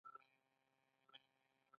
دا د ادارې د اصلاح یوه موقته برنامه ده.